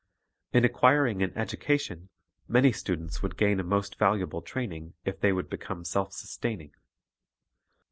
In acquiring an education, man)' students would gain a most valuable training if they would become self sustaining.